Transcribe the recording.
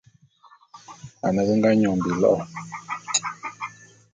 Ane be nga nyon bilo'o.